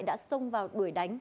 đã xông vào đuổi đánh